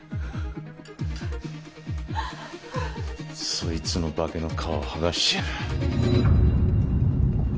そいつの化けの皮を剥がしてやる。